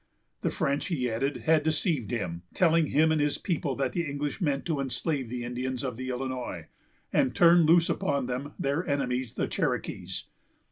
The French, he added, had deceived him, telling him and his people that the English meant to enslave the Indians of the Illinois, and turn loose upon them their enemies the Cherokees.